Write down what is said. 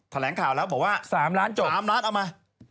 แปลงข่าวแล้วบอกว่า